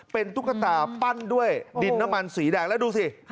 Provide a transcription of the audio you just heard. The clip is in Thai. เป็นตุ๊กตาปั้นด้วยดินน้ำมันสีแดงแล้วดูสิ